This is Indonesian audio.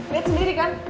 liat sendiri kan